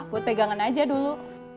buat pegangan aja dulu